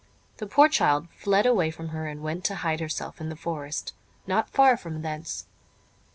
The poor child fled away from her and went to hide herself in the forest, not far from thence.